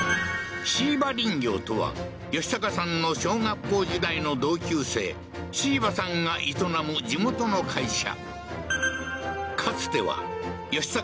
椎葉林業とは芳隆さんの小学校時代の同級生椎葉さんが営む地元の会社